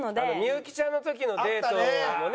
幸ちゃんの時のデートもね